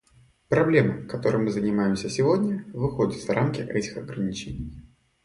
Проблема, которой мы занимаемся сегодня, выходит за рамки этих ограничений.